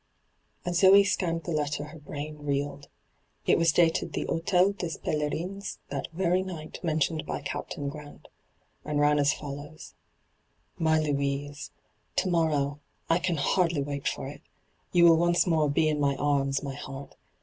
As Zee scanned the letter her brain reeled. It was dated the H6tel des Pelerins that very night mentioned by ' Captain Grant,* and ran as follows :' Mt Louisb, ' To morrow — I hardly can wait for it — you will once more be in my earnm, my heart.